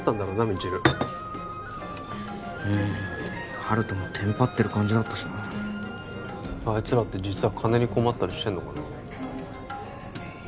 未知留うん温人もテンパってる感じだったしなあいつらって実は金に困ったりしてんのかなえっ？